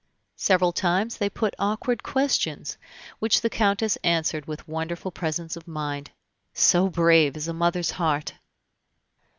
Several times they put awkward questions, which the Countess answered with wonderful presence of mind. So brave is a mother's heart!